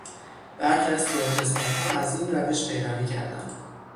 برخی از پروتستانها از این روش پیروی کردند.